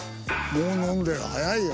もう飲んでる早いよ。